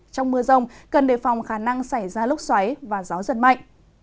trong mưa rông cần đề phòng khả năng xảy ra lúc xoáy và gió giật mạnh